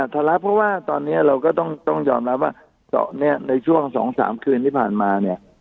ทะเลาะเพราะว่าตอนนี้เราก็ต้องยอมรับว่าในช่วง๒๓คืนที่ผ่านมาเนี่ย